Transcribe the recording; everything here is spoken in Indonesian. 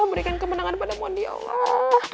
berikan kemenangan pada mondi ya allah